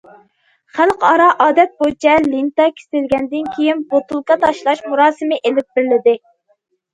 خەلقئارا ئادەت بويىچە لېنتا كېسىلگەندىن كېيىن،« بوتۇلكا تاشلاش مۇراسىمى» ئېلىپ بېرىلدى.